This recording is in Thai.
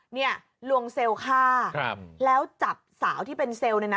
เนี่ยลวงเซลล์ฆ่าแล้วจับสาวที่เป็นเซลล์เนี่ยนะ